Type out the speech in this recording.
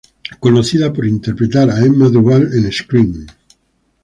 Conocida por interpretar a Emma Duval en "Scream".